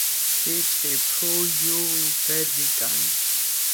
ბიჭი ფუუუუიიიუუუუუუუუუუუუ ვერ ვიტან